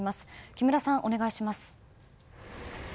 木村さん、お願いします。